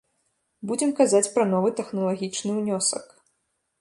Будзем казаць пра новы тэхналагічны ўнёсак.